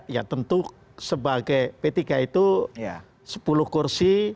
ya tentu sebagai p tiga itu sepuluh kursi